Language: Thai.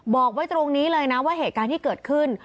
บอกไว้ตรงนี้เลยนะว่าเหตุการณ์ที่เกิดขึ้น